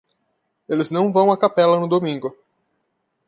Eles não vão à capela no domingo.